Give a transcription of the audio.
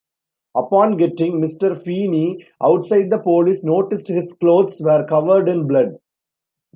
Upon getting Mr. Feeney outside the police noticed his clothes were covered in blood.